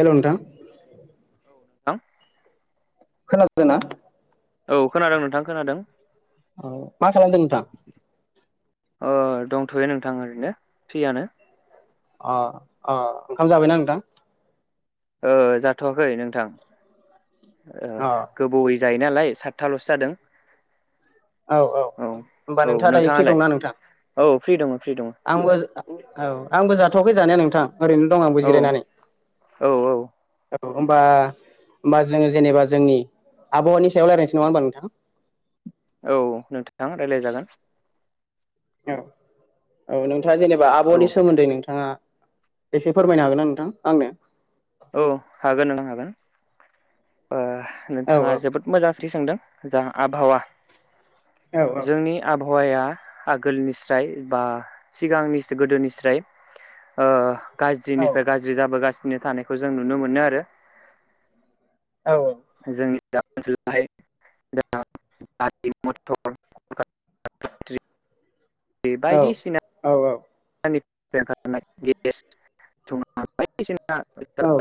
हेल नोंथां [unintelligible] खोनादो ना औ खोनादों नोंथां खोनादों औ मा खालामदो नोंथां ओ दंथयो नोंथां ओरैनो फ्रियानो अ अ ओंखाम जाबायना नोंथां ओ जाथवाखै नोंथां ओ अ गोबोवै जायो नालाय सातथालसो जादों औ होमबा औ नोंथाङा दायो फ्रि नोंथाङालाय दंना नोंथां औ फ्रि दङ फ्रि दङ आंबो जा औ आंबो जाथवाखै जानाया नोंथां ओरैनो दं आंबो औ जिरायनानै औ औ औ होमबा होमबा जोङो जेनेबा जोंनि आबहावानि सायाव रायज्लायनोसै नङा होनबा नोंथां औ नोंथां रायलाय जागोन औ औ नोंथाङा जेनेबा औ आबहानि सोमोन्दै नोंथाङा एसे फोरमायनो हागोनना नोंथां आंनो औ हागोन नोंथां हागोन ओ औ नोंथाङा जोबोद मोजां सोंथि सोंदों जा आबहावा औ जोंनि आबहा वाया आगोलनि स्राय बा सिगांनि गोदोनि स्राय ओ औ गाज्रिनिफ्राय गाज्रि जाबोगासिनो थानायखौ जों नुनो मोनो आरो औ [unintelligible] [inaudible] बे औ बायदिसिना [unintelligible] [unintelligible] औ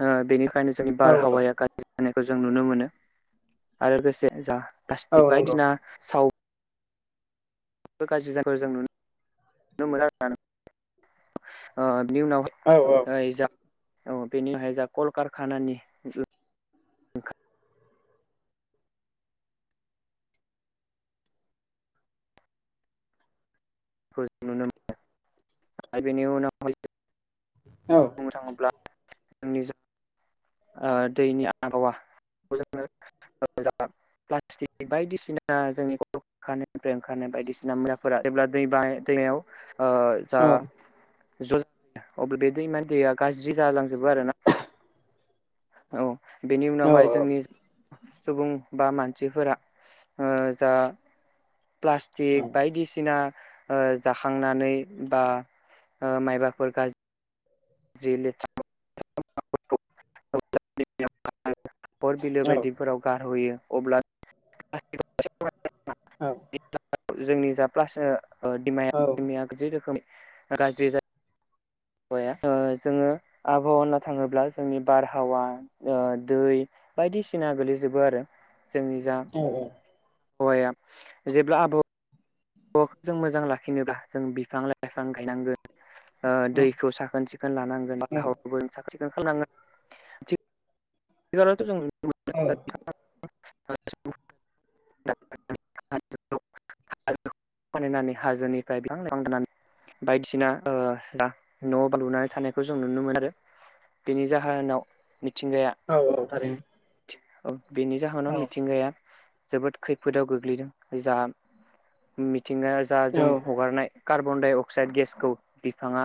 बेनि खायनो जोंनि औ बारहावाया औ गाज्रि जानायखौ जों नुनो मोनो आरो लोगोसे जा प्लासटिक औ नंगौ बायदिसिना साव [unintelligible] बेनि औ औ उनावहाय ओइ जा औ बेनि उनावहाय जा कलकारखानानि ओंखारनायखौ [unintelligible] औ बुंनो थाङोब्ला जोंनि जा ओ दैनि आबहावा [unintelligible] [unintelligible] प्लाटिक बायदिसिना जोंनि [unintelligible] ओंखारनाय बायदिसिना फोरा [unintelligible] ओ जा औ [unintelligible] अब्ला बे दैमानि दैया गाज्रि जालांजोबो आरो ना औ बेनि औ उनावहाय जोंनि सुबुं बा मानसिफोरा ओ जा औ प्लास्टिक बायदिसिना ओ जाखांनानै बा माइबाफोर गा जि लेथ्राफोर हाखर बिलो बायदिफोराव गारहोयो अब्ला औ जोंनि जा प्लास दिमाया दिमाया जि रोखोमै गाज्रि जायोम आबहावाया ओ जोङो आबहावा होननो थाङोब्ला जोंनि बारहावा ओ दै बायदिसिना गोलैजोबो आरो जोंनि जा आबहावा जेब्ला आबहावा वाखौ जों मोजां लाखिनोब्ला जों बिफां लाइफां गायनांगोन ओ औ दैखौ साखोन सिखोन लानांगोन औ [inaudible] सिखोन खालामनांगोनथ' जों [inaudible] [unintelligible] फानायनानै हाजोनिफ्राय बिफां लाइफां दाननानै [inaudible] बायदिसिना ओ न' बां लुनानै थानायखौ जों नुनो मोनदों बेनि जाहोनाव मिथिंगाया औ औ थारैनो औ बेनि औ जाहोनाव मिथिंगाया जोबोद खैफोदाव गोग्लैदों जा मिथिंगाया जा जों उम हगारनाय कार्ब बनडाइ अक्साइड गेसखौ बिफाङा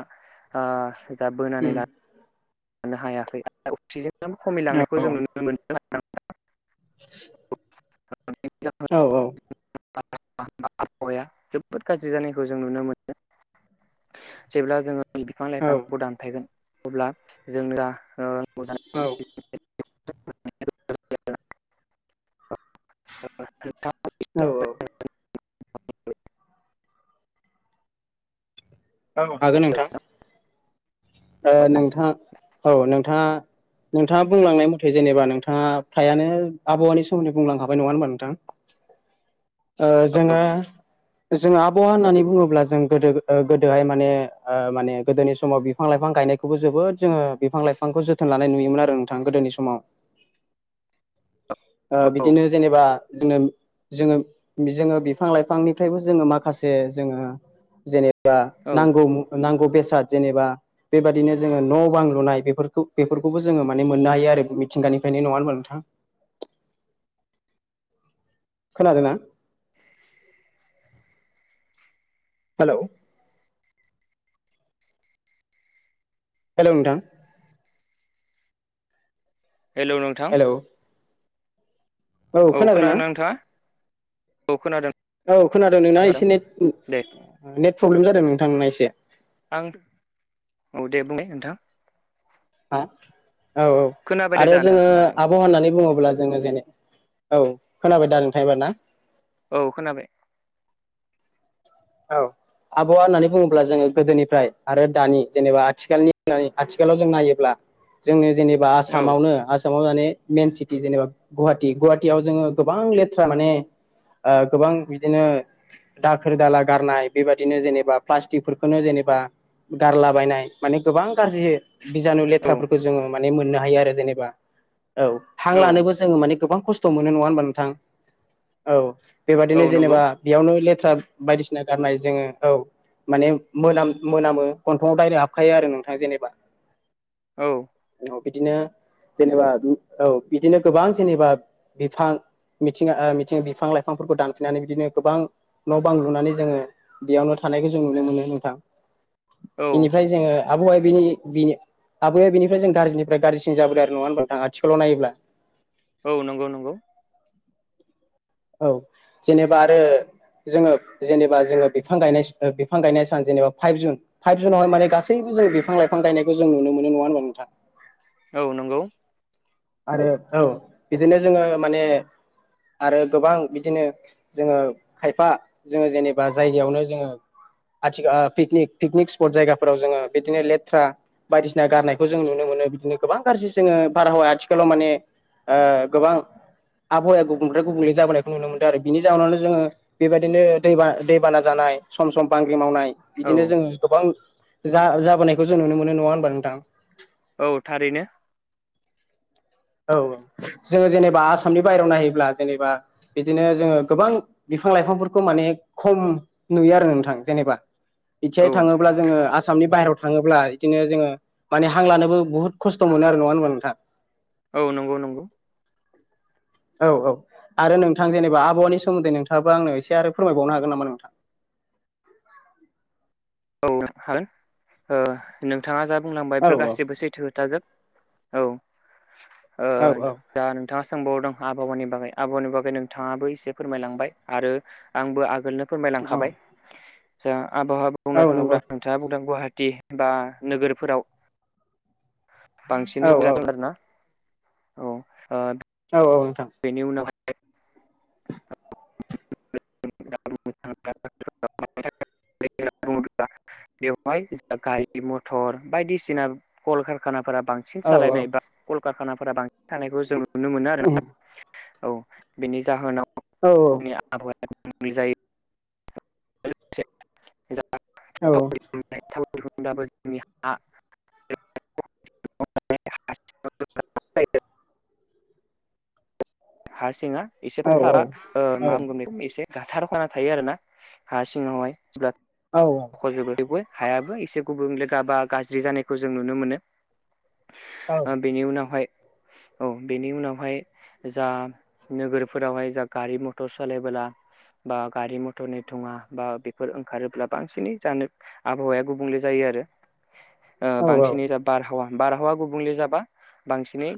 ओ जा बोनानै लाानो लानो हायाखै आरो अक्सिजेनाबो औ औ खमायलांनायखौ जों नुनो मोनदों आरोना नोंथां [unintelligible] औ औ आबहावाया जोबोद गाज्रि जानायखौ जों नुनो मोनो जेब्ला जोङो बिफां लाइफांखौ दानफायगोन अब्ला जोंना ओ नांगौ जानाय औ अक्सिजेन [inaudible] औ [unintelligible] [unintelligible] औ हागोन नोंथां ओ नोंथाङा औ नोंथाङा नोंथाङा बुंलांनाय मथे जेनेबा नोंथाङा फ्रायानो आबहावानि सोमोन्दै बुंलांखाबाय नङा होनबा नोंथां ओ जोङो जोङो आबहावा होननानै बुङोब्ला जों गोदो गोदोहाय माने ओ माने गोदोनि समाव बिफां लाइफां गायनायखौबो जोबोद जोङो बिफां लाइफांखौ जोथोन लानाय नुयोमोन आरो नोंथां गोदोनि समाव ओ औ बिदिनो जेनेबा जोङो जोङो जोङो बिफां लाइफांनिफ्रायबो जोङो माखासे जोङो जेनेबा बा औ नांगौ नांगौ बेसाद जेनेबा बेबायदिनो जोङो न' बां लुनाय बेफोरखौ बेफोरखौबो जोङो माने मोननो हायो आरो मिथिंगानिफ्रायनो नङा होमबा नोंथां [unintelligible] खोनादोंना? हेल' हेल' नोंथां हेलौ नोंथां हेलौ औ खोनादों नोंथाङा औ खोनादों औ खोनादों नोंना एसे नेट दे नेट प्रब्लेम जादों नोंथांना एसे आं औ [unintelligible] दे बुंनाय नोंथां ह औ औ खोनाबाय दे आरो दा नोंथां जोङो खोनाबाय औ आबहावा होननानै बुङोब्ला जोङो जेन औ खोनाबाय दा नोंथाङा एबार ना औ खोनाबाय औ आबहावा होननानै बुङोब्ला जोङो गोदोनिफ्राय आरो दानि जेनेबा आथिखालनि आथिखालाव जों नायोब्ला जोंनि जेनेबा औ आसामावनो आसामाव जाने मेन सिटि जेनेबा गुवाहाटि। गुवाहाटियाव जोङो गोबां लेथ्रा माने ओ गोबां बिदिनो दाखोर दाला गारनाय बेबायदिनो जेनेबा प्लास्टिकफोरखोनो जेनेबा गारलाबायनाय माने गोबां गारजियै बिजानु औ लेथ्राफोरखौ जोङो माने मोननो हायो आरो जेनेबा। औ हां औ लानोबो जोङो माने गोबां खस्थ' मोनो नङा होनबा नोंथां। औ बेबादिनो औ नंगौ जेनेबा बेयावनो ले थ्रा बायदिसिना गारनाय जोङो औ माने मोनाम-मोनामो गन्थंआव डाइरेक्ट हाबखायो आरो नोंथां जेनेबा। औ। औ बिदिनो जेनेबा औ बिदिनो गोबां जेनेबा बिफां मिथिंगा ओ मिथिं बिफां लाइफांफोरखौ दानफिननानै बिदिनो गोबां न' बां लुनानै जोङो बेयावनो थानायखौ जों नुनो मोनो नोंथां। औ बेनिफ्राय जोङो आबहावाया बिनि बिनि आबाया बेनिफ्राय जों गाज्रिनिफ्राय गाज्रिसिन जाबोदो आरो नङा होनबा नोंथां आथिखालाव नायोब्ला। औ नंगौ नंगौ। औ जेनेबा आरो जोङो जेनेबा जोङो बिफां गायनाय स बिफां गायनाय सान जेनेबा फाइभ जुन। फाइभ जुनावहाय माने गासै जों बिफां लाइफां गायनायखौ जों नुनो मोनो नङा होनबा नोंथां। औ नोंगौ। आरो औ बिदिनो जोङो माने आरो गोबां बिदिनो जोङो खायफा जोङो जेनेबा जायगायावनो जोङो आथिखा ओ पिकनिक पिकनिक स्पट जायगाफोराव जोङो बिदिनो लेथ्रा बायदिसिना गारनायखौ जों नुनो मो नो बिदिनो गोबां गारजि जोङो बारहावाया आथिखालाव माने ओ गोबां आबहावाया गुबुंनिफ्राय गुबुंले जाबोनायखौ नुनो मोनदो आरो। बिनि जाहोनावनो जोङो बेबायदिनो दै बाना दैबाना जाना य सम सम बांग्रि मावनाय औ बिदिनो जोङो गोबां जा जाबोनायखौ जों नुनो मोनो नङा होनबा नोंथां। औ थारैनो। औ। जोङो जेनेबा आसामनि बायेरायाव नायोब्ला जेनेबा बिदिनो जोङो गोबां बिफां लाइफांफोरखौ माने खम नुयो आरो नोंथां जेनेबा। औ बिथियाय थाङोब्ला जोङो आ सामनि बाहेरायाव थाङोब्ला बिदिनो जोङो माने हां लानोबो बुहुत खस्थ' मोनो आरो नङा होनबा नोंथां। औ नोंगौ नोंगौ। औ औ आरो नोंथां जेनेबा आबहावानि सोमोन्दै नोंथाङाबो आंनो एसे आरो फोरमायबावनो हागोन नामा नोंथां? औ नों हागोन। ओ नोंथाङा जा बुंलांबाय औ बेफोर गासिबो औ सैथो खोथाजोब। औ ओ औ औ दा नोंथाङा सोंबावदों आबहावानि बागै आबहावानि बागै नोंथाङाबो एसे फोरमायलांबाय आरो आंबो आगोलनो औ फोरमायलांखाबाय दा आबहावा बुंनो नंगौ थाङोब्ला नोंथाङा बुंदों गहा टि बा नोगोरफोराव औ बांसिनै [unintelligible] औ बुंजाथं आरोना। औ ओ औ औ नोंथां। [inaudible] [inaudible] बेवहाय गारि मथर बायदिसिना कल कारखाना फोरा बांसिन औ सालायनाय बा कल कारखानाफोरा बांसिन थानायखौ जों नुनो मोनो औ आरोना। औ बेनि जाहोनाव औ आबहावाया गुबुंले जायो। [unintelligible] [inaudible] औ। गुमबाबो जोंनि हा [inaudible] हारसिङा एसेखौ औ औ फारा ओ मा होनगोन बेखौ एसे गाथारखाना थायो आरोना हा सिङाव हायब्लाजबो हायाबो एसे गुबुं लोगो बा गाज्रि जानायखौ जों नुनो मोनो। बेनि उनावहाय औ बेनि उनावहाय जा नोगोरफोरावहाय जा गारि मथर सालायबोला। बा गारि मथरनि थङा बा बेफोर ओंखारोब्ला बांसिनै जानो आबहावाया गुबुंले जायो। ओ बांसिनै दा बारहावा बारहावा गुबुंले जाबा बांसिनै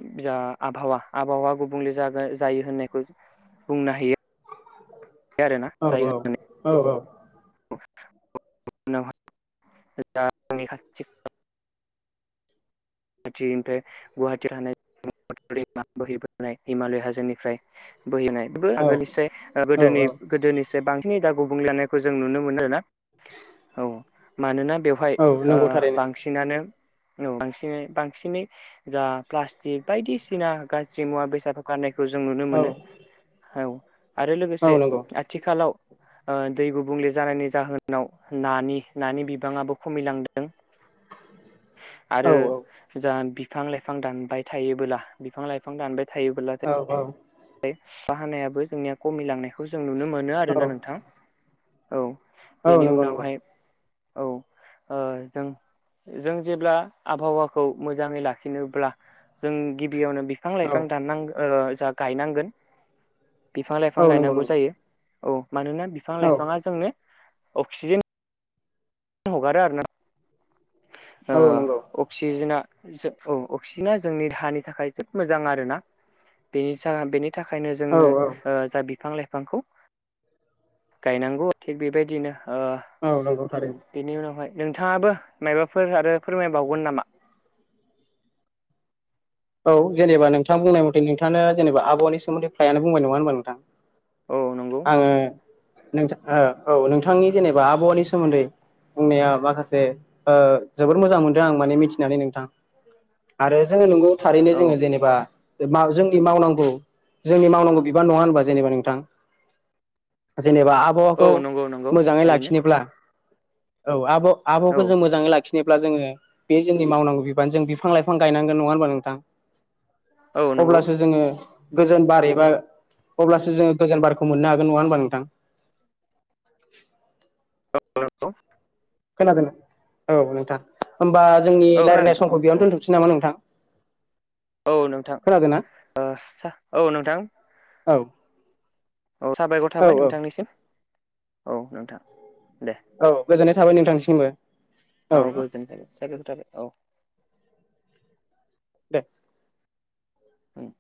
आबहावा आबहावा गुबुंले जागा जायो होननायखौ बुंनो हायो। आरोना औ जायो औ होननानै औ औ। [unintelligible] खाथिनिफ्राय गुवाहाटि थानाय। दै बोहैबोनाय हिमालय हाजोनिफ्राय बोहैनाय बे आगोलनिस औ गोदोनि गोदोनिस बांसिनै दा गुबुंलेानायखौ जों नुनो मोनो आरोना। औ मानोना बेवहाय औ नंगौ थारैनो बांसिनानो औ बासिनै बांसिनै जा प्लासटिक बायदिसिना गाज्रि मुवा बेसाद गारनाय खौ जों नुनो औ मोनो औ आरो लोगोसे औ नंगौ आथिखालाव दै गुबुंले जानायनि जाहोनाव नानि नानि बिबाङाबो खमिलांदों। औ आरो जा बिफां लाइफां दानबाय थायोबोला बिफां लाइफां दानबाय औ औ बाहानायाबो जोंनिया खमिलांनायखौ जों नुनो मोनो आरोना नोंथां औ। औ बेनि नंगौ नंगौ उनावहाय औ ओ जों जों जेब्ला आबहावाखौ मोजाङै लाखिनोब्ला जों गि बि बेयावनो बिफां औ लाइफां दाननांग जा गायनांगोन। बिफां लाइफां औ नंगौ गायनांगौ नंगौ जायो औ मानोना बिफां औ लाइफाङा जोंनो अक्सिजेन हगारो आरोना औ नंगौ ओ अक्सिजेना। जो औ अक्सिजेना जोंनि देहानि थाखाय जोब मोजां आरोना बेनि बेनि थाखायनो औ जोंनो जा बिफां लाइफां बिफांखौ गायनांगौ थिग बेबायदिनो ओ औ नंगौ थारैनो। बेनि उनावहाय नोंथाङाबो माबाफोर आरो फोरमायबावगोन नामा। औ जेनेबा नोंथां बुंनाय मथे नोंथां जेनेब आबावानि सोमोन्दै फ्रायानो बुंबाय नङा होमबा नोंथां। औ नंगौ आङो नोंथ औ नोंथांनि जेनेबा आबहावानि सोमोन्दै। बुंनाया माखासे जोोबोर मोजां मोनदों आं माने मिथिनानै नोंथां। औ बिदिनोजोङो जेनेबा जोंनि मावनांगौ जोंनि मावनांगौ बिबान नङा होनबा जेनेबा नोंथां। जेनेबा औ आबहावाखौ नंगौ नंगौ मोजाङै थारैनो लाखिनोब्ला औ आब' औ आबावाखौ जों मोजाङै लाखिनोब्ला जोङो बे जोंनि मावनांगौ बिबान जों बिफां लाइफां गायनांगोन नङा होनोमबा नों थां औ नंगौ अब्लासो औ जोङो गोजोन बार एबा अब्लासो जोङो गोजान बारखौ मोननो हागोन नङा होनबा नोंथां। [inaudible] [unintelligible] खोनादों औ नोंथां होमबा जोंनि औ लायरायनाय समखौ खोनादों नोंथां बेयावनो दोन्थ'सै नामा नोंथां? औ नोंथां खोनादोंना ओ सा औ नोंथां। औ औ साबायखर औ थाबाय औ नोंथांनिसिम औ नोंथां। दे औ गोजोननाय थाबाय नोंथांनिसिमबो। औ औ गोजोननाय थाबाय साबायखर थाबाय औ दे उम